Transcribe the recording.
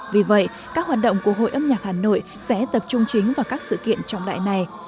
vì vậy các hoạt động của hội âm nhạc hà nội sẽ tập trung chính vào các sự kiện trọng đại này